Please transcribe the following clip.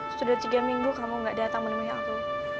sudah tiga minggu kamu gak datang menemui aku